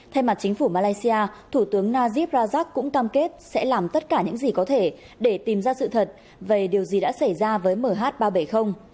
thay mặt chính phủ malaysia thủ tướng najib rajak cũng cam kết sẽ làm tất cả những gì có thể để tìm ra sự thật về điều gì đã xảy ra với mh ba trăm bảy mươi